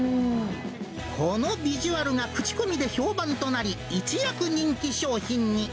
このヴィジュアルが口コミで評判となり、一躍人気商品に。